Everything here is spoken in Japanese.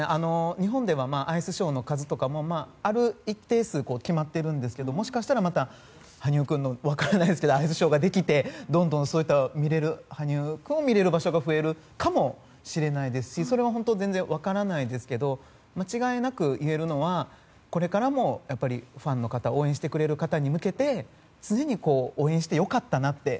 日本ではアイスショーの数とかもある一定数決まっているんですがもしかしたら羽生君のアイスショーができてどんどん羽生君を見れる場所が増えるかもしれませんしそれは本当に全然分からないですけど間違いなく言えるのはこれからもファンの方応援してくれる方に向けて常に応援して良かったなって。